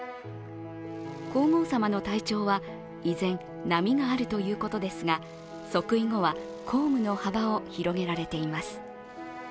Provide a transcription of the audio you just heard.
皇后さまの体調は依然、波があるということですが即位後は、公務の幅を広げられています。